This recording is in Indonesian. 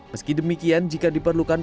meski demikian jika diperlukan